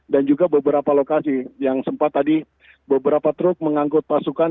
dan juga beberapa lokasi yang sempat tadi beberapa truk mengangkut pasukan